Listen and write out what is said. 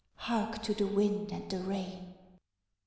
(_Hark to the wind and the rain.